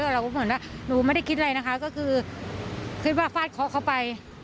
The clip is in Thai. แล้วเหมือนมันไม่ได้คิดอะไรคิดว่าฟาดเค้าเข้าไป